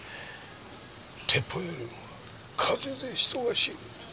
鉄砲よりも風邪で人が死ぬ？